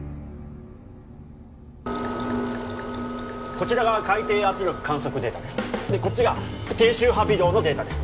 こちらが海底圧力観測データですでこっちが低周波微動のデータです